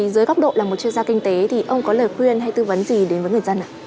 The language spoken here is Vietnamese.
dưới góc độ là một chuyên gia kinh tế thì ông có lời khuyên hay tư vấn gì đến với người dân ạ